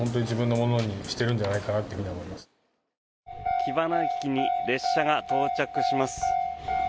木花駅に列車が到着します。